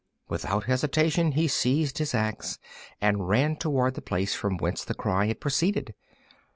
Without hesitation he seized his axe and ran toward the place from whence the cry had proceeded.